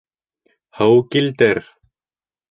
Һыу килтер!